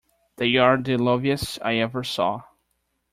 They are the loveliest I ever saw.